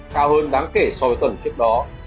cao hơn đáng kể so với tuần trước đó